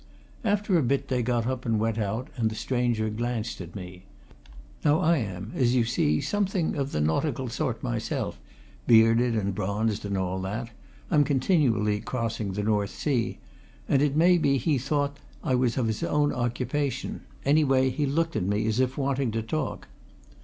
After a bit they got up and went out, and the stranger glanced at me. Now I am, as you see, something of the nautical sort myself, bearded and bronzed and all that I'm continually crossing the North Sea and it may be he thought I was of his own occupation anyway, he looked at me as if wanting to talk.